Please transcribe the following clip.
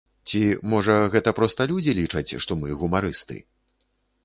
Ці, можа, гэта проста людзі лічаць, што мы гумарысты?